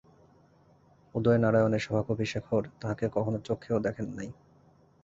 উদয়নারায়ণের সভাকবি শেখর তাঁহাকে কখনো চক্ষেও দেখেন নাই।